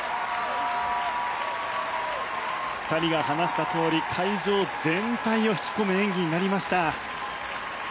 ２人が話したとおり会場全体を引き込む演技になりました。